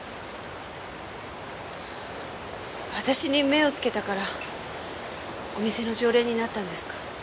私に目をつけたからお店の常連になったんですか？